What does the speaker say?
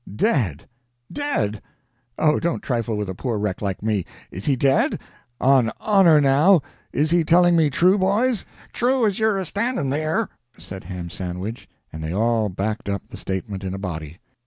"Dead! Dead! Oh, don't trifle with a poor wreck like me. Is he dead? On honor, now is he telling me true, boys?" "True as you're standing there!" said Ham Sandwich, and they all backed up the statement in a body.